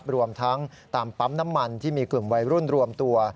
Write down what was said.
รวมทั้งตามปั๊มน้ำมันที่มีกลุ่มวัยรุ่นรวมตัว